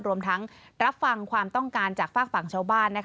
รวมทั้งรับฟังความต้องการจากฝากฝั่งชาวบ้าน